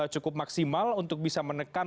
cukup maksimal untuk bisa menekan